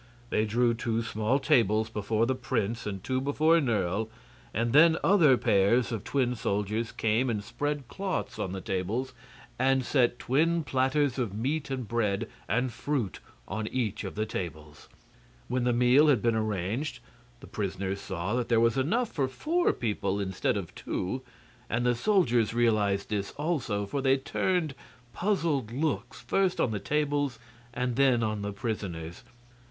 They drew two small tables before the prince and two before Nerle, and then other pairs of twin soldiers came and spread cloths on the tables and set twin platters of meat and bread and fruit on each of the tables. When the meal had been arranged the prisoners saw that there was enough for four people instead of two; and the soldiers realized this also, for they turned puzzled looks first on the tables and then on the prisoners.